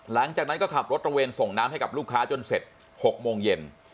หลังจากนั้นก็ขับรถตระเวนส่งน้ำให้กับลูกค้าจนเสร็จ๖โมงเย็น